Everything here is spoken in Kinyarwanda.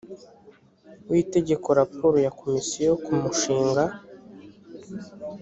w itegeko raporo ya komisiyo ku mushinga